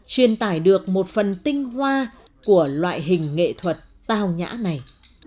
truyền tải được một phần tinh hoa của loại hình nghệ thuật tào nhã này